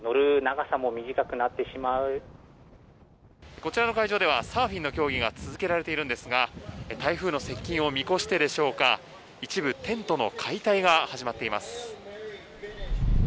こちらの会場ではサーフィンの競技が続けられているんですが台風の接近を見越してでしょうか一部、テントの解体が始まっています。